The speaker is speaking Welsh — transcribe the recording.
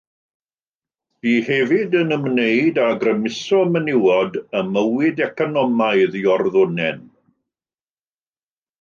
Bu hefyd yn ymwneud â grymuso menywod ym mywyd economaidd Iorddonen.